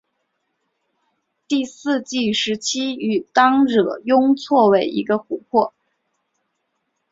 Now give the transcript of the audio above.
第四纪时期与当惹雍错为一个湖泊。